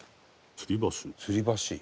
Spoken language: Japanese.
「つり橋？」